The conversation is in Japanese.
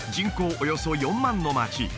およそ４万の街